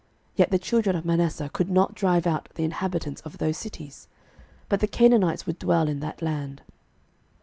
06:017:012 Yet the children of Manasseh could not drive out the inhabitants of those cities; but the Canaanites would dwell in that land.